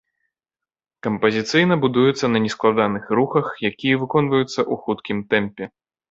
Кампазіцыйна будуецца на нескладаных рухах, якія выконваюцца ў хуткім тэмпе.